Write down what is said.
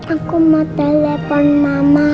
aku mau telepon mama